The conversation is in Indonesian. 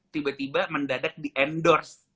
tiba tiba mendadak di endorse